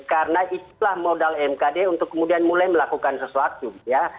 karena itulah modal mkd untuk kemudian mulai melakukan sesuatu ya